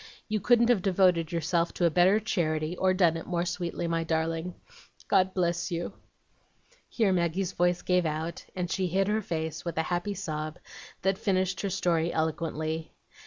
You couldn't have devoted yourself to a better charity, or done it more sweetly, my darling. God bless you!'" Here Maggie's voice gave out, and she hid her face, with a happy sob, that finished her story eloquently.